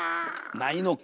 ないのか。